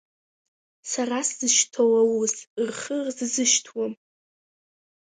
Сара сзышьҭоу аус рхы рзазышьҭуам.